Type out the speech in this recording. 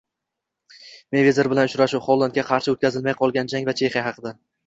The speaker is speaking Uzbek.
Meyvezer bilan uchrashuv, Hollandga qarshi o‘tkazilmay qolgan jang va Chexiya haqida